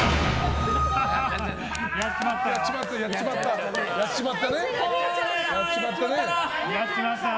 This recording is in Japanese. やっちまったね。